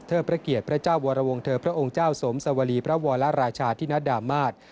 พระเกียรติพระเจ้าวรวงเธอพระองค์เจ้าสมสวรีพระวรราชาธินดามาศ